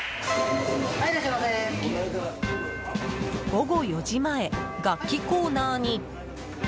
午後４時前楽器コーナーに。